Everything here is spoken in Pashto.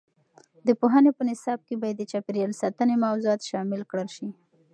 د پوهنې په نصاب کې باید د چاپیریال ساتنې موضوعات شامل کړل شي.